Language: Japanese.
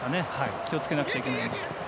気をつけなくちゃいけないのは。